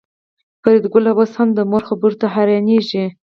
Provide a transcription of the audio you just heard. فریدګل اوس هم د مور خبرو ته حیرانېږي